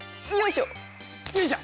よいしょ！